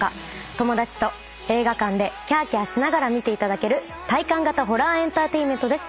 友達と映画館でキャーキャーしながら見ていただける体感型ホラーエンターテインメントです。